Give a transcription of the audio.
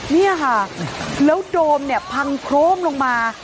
นี่ค่ะแล้วโดมพังโพรมลงมา